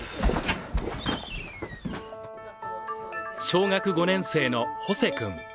小学５年生のホセ君。